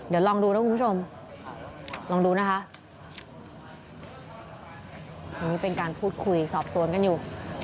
เดี๋ยวลองดูนะคุณผู้ชมลองดูนะคะอันนี้เป็นการพูดคุยสอบสวนกันอยู่